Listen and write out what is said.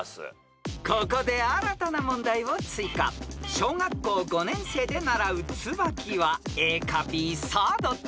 ［小学校５年生で習うツバキはＡかＢさあどっち？］